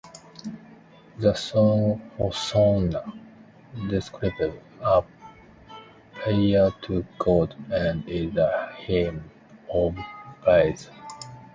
The song "Hosanna" describes a prayer to God, and is a hymn of praise.